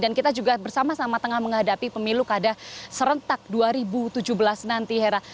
dan kita juga bersama sama tengah menghadapi pemilu keadaan serentak dua ribu tujuh belas nanti hera